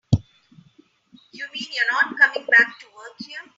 You mean you're not coming back to work here?